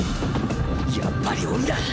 やっぱり鬼だ！